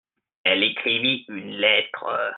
Elle écrivit une lettre.